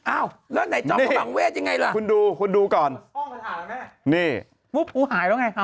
อ้าวแล้วไหนจอมขมังเวทยังไงล่ะคุณดูคุณดูก่อนนี่ปุ๊บกูหายแล้วไง